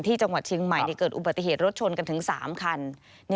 ที่จังหวัดเชียงใหม่เกิดอุบัติเหตุรถชนกันถึง๓คัน